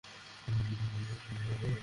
কিচ্ছু জানতাম না।